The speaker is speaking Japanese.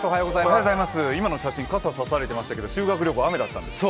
今の写真、傘、差されてましたけど修学旅行、雨だったんですか？